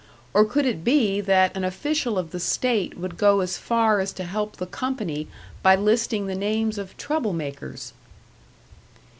Or could it be that an official of the state would go as far as to help the company by listing the names of "trouble makers"?